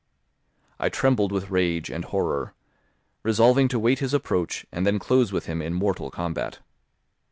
I trembled with rage and horror, resolving to wait his approach and then close with him in mortal combat.